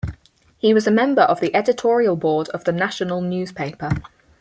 He was a member of the editorial board of the "National" newspaper.